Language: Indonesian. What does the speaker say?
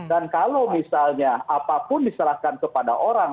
dan kalau misalnya apapun diserahkan kepada orang